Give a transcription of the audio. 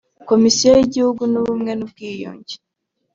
Komisiyo y’igihugu y’Ubumwe n’ubwiyunge